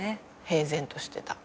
平然としてた。